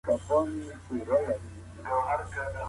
مينځل د مور له خوا کيږي.